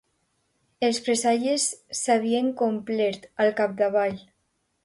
Els presagis s'havien complert, al capdavall.